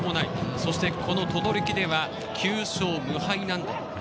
そして、この等々力では９勝２敗なんだと。